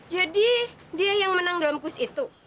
jadi dia yang menang dalam kurs itu